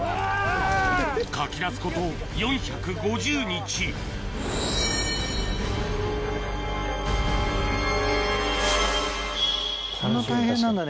かき出すこと４５０日こんな大変なんだね